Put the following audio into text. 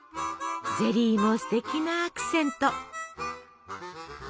ゼリーもステキなアクセント。